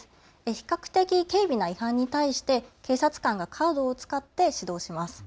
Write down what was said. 比較的軽微な違反に対して警察官がカードを使って指導します。